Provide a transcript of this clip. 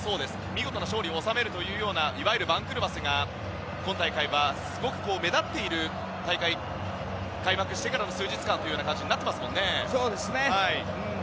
見事な勝利を収めるといういわゆる番狂わせが今大会はすごく目立っている大会開幕してからの数日間となっていますからね。